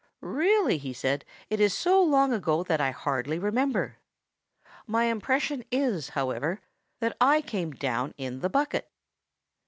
"Really," he said, "it is so long ago that I hardly remember. My impression is, however, that I came down in the bucket."